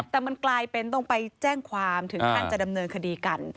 แต่มันกลายเป็นต้องไปแจ้งความถึงขั้นจะดำเนินคดีกัน